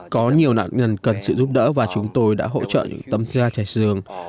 có nhiều nạn nhân cần sự giúp đỡ và chúng tôi đã hỗ trợ những tâm gia chạy dường